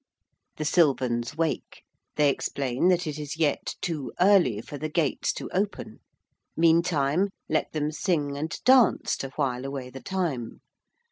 The Sylvans wake: they explain that it is yet too early for the gates to open. Meantime let them sing and dance to while away the time.